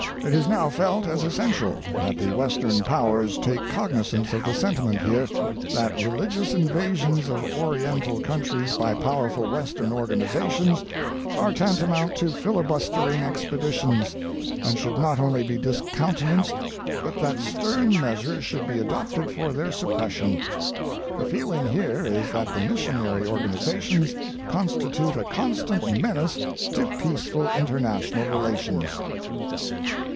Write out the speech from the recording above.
It is now felt as essential that the Western Powers take cognizance of the sentiment here, that religious invasions of Ori ental countries by powerful Western organizations are tantamount to filibustering expeditions, and should not only be discountenanced, but that stern measures should be adopted for their suppression. The feeling here is that the missionary organizations constitute a constant menace to peaceful international relations."